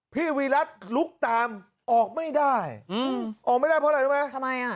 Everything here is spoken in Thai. วีรัติลุกตามออกไม่ได้อืมออกไม่ได้เพราะอะไรรู้ไหมทำไมอ่ะ